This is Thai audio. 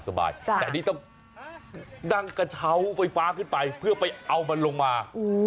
แต่อันนี้ต้องนั่งกระเช้าไฟฟ้าขึ้นไปเพื่อไปเอามันลงมา